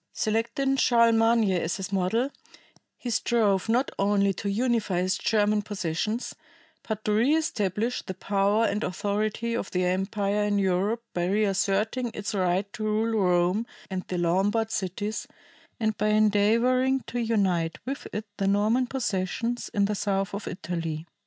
Selecting Charlemagne as his model, he strove not only to unify his German possessions, but to re establish the power and authority of the empire in Europe by reasserting its right to rule Rome and the Lombard cities, and by endeavoring to unite with it the Norman possessions in the south of Italy.